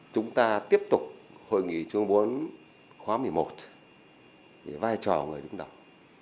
chúng ta tiếp tục hội nghị chung bốn khóa một mươi một về vai trò người đứng đầu